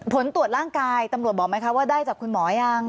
ผลตรวจร่างกายตำรวจบอกไหมคะว่าได้จากคุณหมอยัง